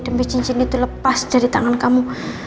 demi cincin itu lepas dari tangan kamu